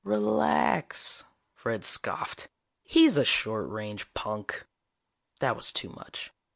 "Relax," Fred scoffed. "He's a short range punk." That was too much.